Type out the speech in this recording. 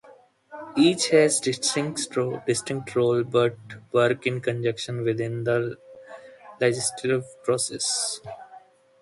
Each has a distinct role, but work in conjunction within the legislative process.